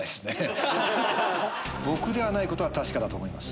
僕ではないことは確かだと思う。